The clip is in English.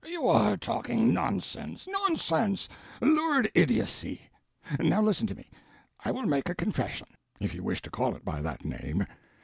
"You are talking nonsense—nonsense—lurid idiocy! Now, listen to me. I will make a confession—if you wish to call it by that name.